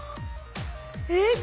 えっ